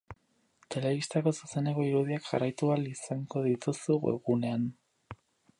Telebistako zuzeneko irudiak jarraitu ahal izango dituzu webgunean.